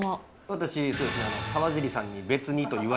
私、そうですね、ああ。